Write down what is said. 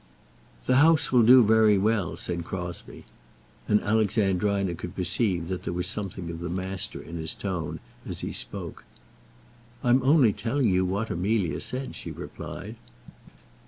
"The house will do very well," said Crosbie. And Alexandrina could perceive that there was something of the master in his tone as he spoke. "I am only telling you what Amelia said," she replied.